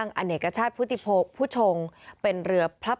ในเวลาเดิมคือ๑๕นาทีครับ